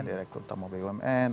direktur utama bumn